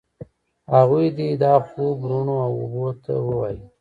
هغوی دي دا خوب روڼو اوبو ته ووایي